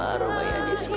aku terlalu berharga